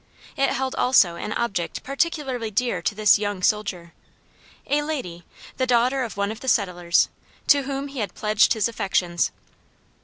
It held also an object particularly dear to this young soldier a lady, the daughter of one of the settlers, to whom he had pledged his affections.